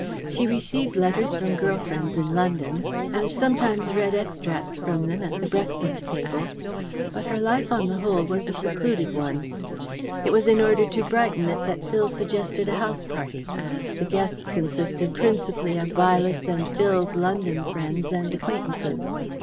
She received letters from girl friends in London, and sometimes read extracts from them at the breakfast table, but her life, on the whole, was a secluded one. It was in order to brighten it that Phil suggested a house party. The guests consisted principally of Violet's and Phil's London friends and acquaintances.